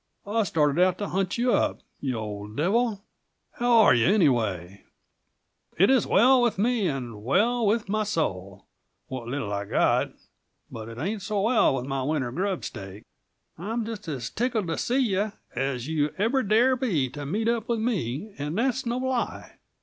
"I started out to hunt you up, you old devil. How are you, anyway?" "It is well with me, and well with my soul what little I've got but it ain't so well with my winter grub stake. I'm just as tickled to see you as you ever dare be to meet up with me, and that's no lie.